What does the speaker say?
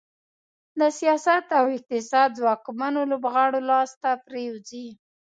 د سیاست او اقتصاد ځواکمنو لوبغاړو لاس ته پرېوځي.